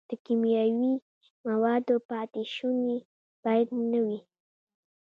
د کیمیاوي موادو پاتې شوني باید نه وي.